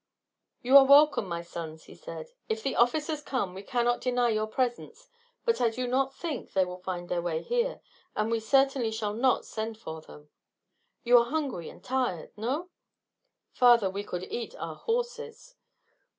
"You are welcome, my sons," he said. "If the officers come we cannot deny your presence; but I do not think they will find their way here, and we certainly shall not send for them. You are hungry and tired, no?" "Father, we could eat our horses."